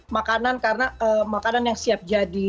makanan yang siap jadi